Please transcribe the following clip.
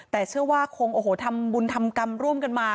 แต่เชื่อว่าคงโอ้โหทำบุญทำกรรมร่วมกันมา